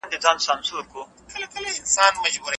پر ځان باور د سخت غربت له امله ډېر زیانمن کېږي.